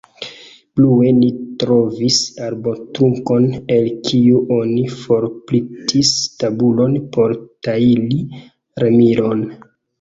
Plue ni trovis arbotrunkon, el kiu oni forsplitis tabulon por tajli remilon.